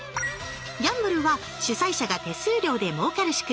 ギャンブルは主催者が手数料でもうかる仕組み。